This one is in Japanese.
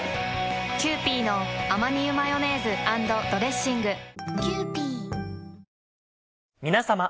キユーピーのアマニ油マヨネーズ＆ドレッシング皆さま。